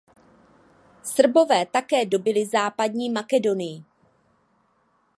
Srbové také dobyli západní Makedonii.